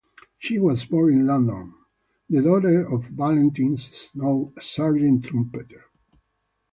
She was born in London, the daughter of Valentine Snow, a sergeant-trumpeter.